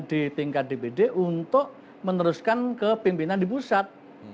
di tingkat dpd untuk meneruskan kepimpinan di pusat